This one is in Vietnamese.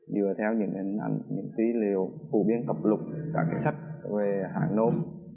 đưa theo những hình ảnh những tí liệu cụ biến cập lục cả cái sách về hạng nôn